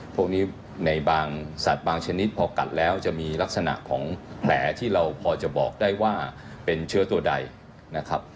พวกนี้ในบางสัตว์บางชนิดพอกัดแล้วจะมีลักษณะของแผลที่เราพอจะบอกได้ว่าเป็นเชื้อตัวใดนะครับ